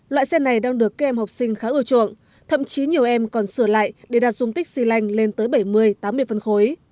loại xe này đang được các em học sinh khá ưa chuộng thậm chí nhiều em còn sửa lại để đạt dung tích xy lanh lên tới bảy mươi tám mươi phân khối